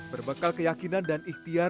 berbekal keyakinan dan ikhtiar